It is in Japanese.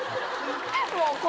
もう。